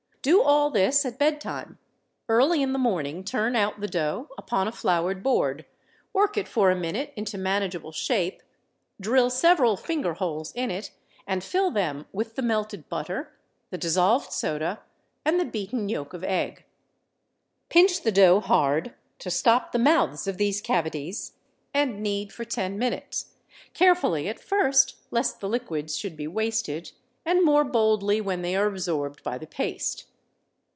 Do all this at bedtime. Early in the morning turn out the dough upon a floured board, work it for a minute into manageable shape; drill several finger holes in it and fill them with the melted butter, the dissolved soda and the beaten yolk of egg. Pinch the dough hard to stop the mouths of these cavities, and knead for ten minutes, carefully at first, lest the liquids should be wasted, and more boldly when they are absorbed by the paste.